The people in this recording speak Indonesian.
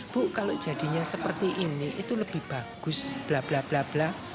bu kalau jadinya seperti ini itu lebih bagus bla bla bla bla